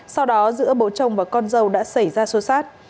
sau đó giữa bố chồng và con dâu đã xảy ra xô xát